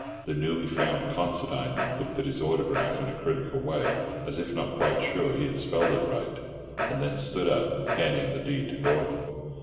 The newly found Considine looked at his autograph in a critical way, as if not quite sure he had spelled it right, and then stood up, handing the deed to Gordon.